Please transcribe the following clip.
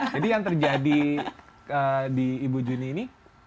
jadi yang terjadi di ibu juni ini